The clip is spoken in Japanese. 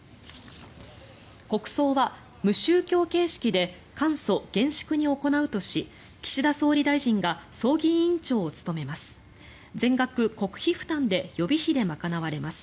国葬は無宗教形式で簡素・厳粛に行うとし岸田総理大臣が葬儀委員長を務めます。